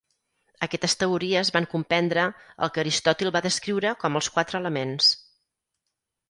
Aquestes teories van comprendre el que Aristòtil va descriure com els quatre elements.